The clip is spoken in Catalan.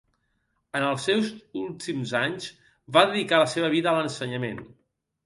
En els seus últims anys va dedicar la seva vida a l'ensenyament.